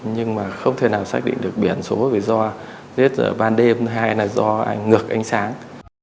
nhưng mà không thể nào xác định được biển số vì do giết ở ban đêm hay là do ngược ánh sáng